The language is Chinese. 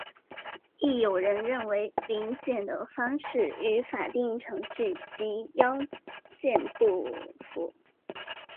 亦有人认为临检的方式与法定程序及要件不符。